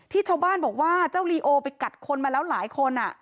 ชาวบ้านบอกว่าเจ้าลีโอไปกัดคนมาแล้วหลายคน